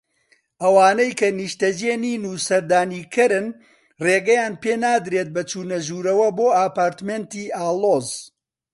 ئەوانەی کە نیشتەجی نین و سەردانیکەرن ڕێگەیان پێنادرێت بە چونەژورەوە بۆ ئەپارتمێنتی ئاڵۆز